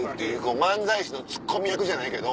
漫才師のツッコミ役じゃないけど。